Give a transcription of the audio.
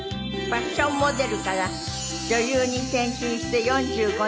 ファッションモデルから女優に転身して４５年。